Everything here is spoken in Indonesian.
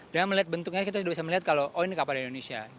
dengan melihat bentuknya kita bisa melihat kalau oh ini kapal indonesia